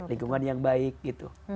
lingkungan yang baik gitu